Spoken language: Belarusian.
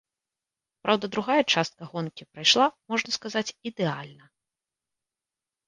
Праўда, другая частка гонкі прайшла, можна сказаць, ідэальна.